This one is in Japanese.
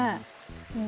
うん。